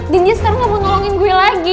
dinja sekarang gak mau nolongin gue lagi